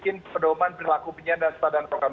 itu pun tidak enak juga